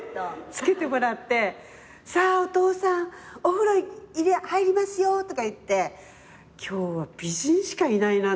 つけてもらって「さあお父さんお風呂入りますよ」とかいって「今日は美人しかいないな」